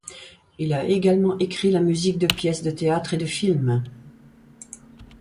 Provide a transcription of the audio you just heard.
Il a également écrit la musique de pièces de théâtre et de films.